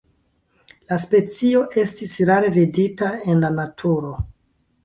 La specio estis rare vidita en la naturo.